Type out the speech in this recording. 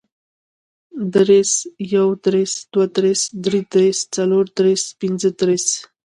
دېرس, یودېرس, دودېرس, درودېرس, څلوردېرس, پنځهدېرس